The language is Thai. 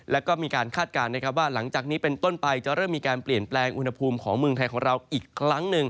แล้วก็มีการคาดการณ์นะครับว่าหลังจากนี้เป็นต้นไปจะเริ่มมีการเปลี่ยนแปลงอุณหภูมิของเมืองไทยของเราอีกครั้งหนึ่ง